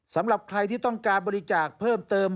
สำหรับใครที่ต้องการบริจาคเพิ่มเติม